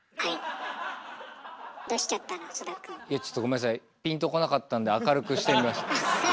いやちょっとごめんなさいピンとこなかったんで明るくしてみました。